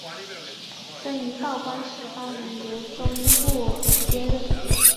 曾于道光十八年由中佑接任。